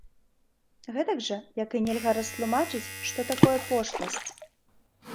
Гэтак жа, як і нельга растлумачыць, што такое пошласць.